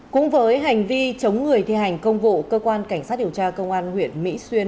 cũng với hành vi chống người thi hành công vụ cơ quan cảnh sát điều tra công an huyện mỹ xuyên